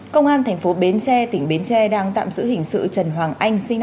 công an tp bến tre tỉnh bến tre đang tạm giữ hình sự trần hoàng anh sinh năm một nghìn chín trăm bảy mươi